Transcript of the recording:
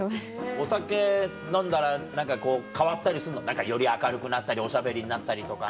お酒飲んだら何かこう変わったりするの？より明るくなったりおしゃべりになったりとか。